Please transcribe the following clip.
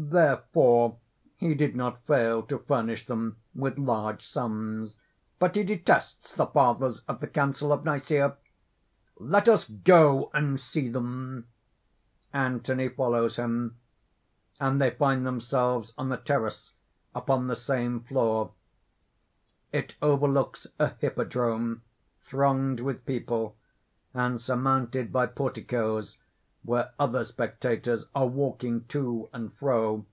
Therefore he did not fail to furnish them with large sums. But he detests the Fathers of the Council of Nicæa._ "Let us go and see them!" Anthony follows him. And they find themselves on a terrace, upon the same floor. _It overlooks a hippodrome thronged with people, and surmounted by porticoes where other spectators are walking to and fro.